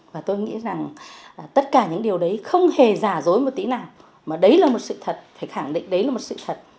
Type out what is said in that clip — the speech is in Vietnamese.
và tôi nghĩ rằng tất cả những điều đấy không hề giả dối một tí nào mà đấy là một sự thật phải khẳng định đấy là một sự thật